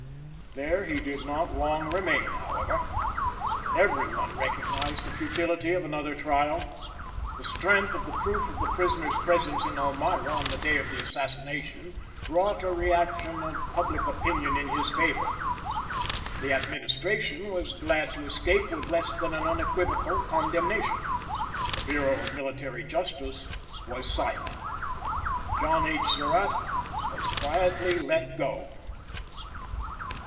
There he did not long remain, however. Every one recognized the futility of another trial. The strength of the proof of the prisoner's presence in Elmira on the day of the assassination wrought a reaction of public opinion in his favor. The administration was glad to escape with less than an unequivocal condemnation. The Bureau of Military Justice was silent. John H. Surratt was quietly let go.